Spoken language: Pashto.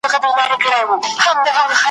ژر به محتسبه د رندانو آزار ووینې ,